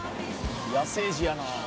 野生児やな。